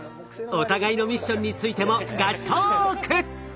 お互いのミッションについてもガチトーク！